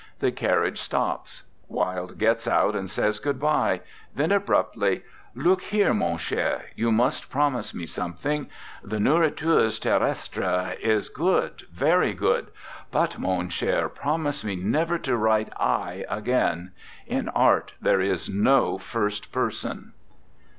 The carriage stops. Wilde gets out and says goodbye; then abruptly: "Look here, mon cher, you must promise me some thing. The 'Nourritures Terrestres' is good ... very good. But, mon cber, promise me never to write T again. In art there is no first person."